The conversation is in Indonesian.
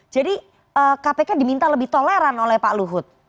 jadi kpk diminta lebih toleran oleh pak luhut